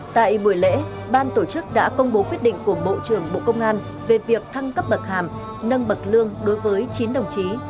tại buổi lễ ban tổ chức đã công bố quyết định của bộ trưởng bộ công an về việc thăng cấp bậc hàm nâng bậc lương đối với chín đồng chí